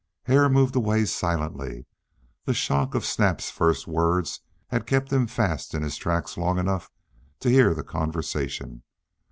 Hare moved away silently; the shock of Snap's first words had kept him fast in his tracks long enough to hear the conversation.